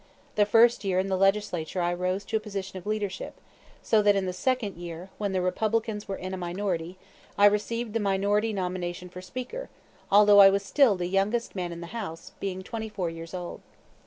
The first year in the Legislature I rose to a position of leadership, so that in the second year, when the Republicans were in a minority, I received the minority nomination for Speaker, although I was still the youngest man in the House, being twenty four years old.